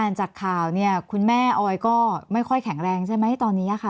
จากข่าวเนี่ยคุณแม่ออยก็ไม่ค่อยแข็งแรงใช่ไหมตอนนี้ค่ะ